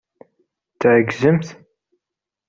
Tɛeẓgemt?